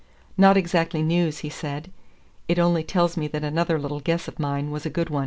"Not exactly news," he said. "It only tells me that another little guess of mine was a good one."